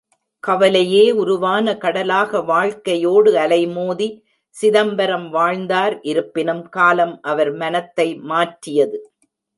கவலையே உருவான கடலாக வாழ்க்கையோடு அலைமோதி சிதம்பரம் வாழ்ந்தார் இருப்பினும் காலம் அவர் மனத்தை மாற்றியது.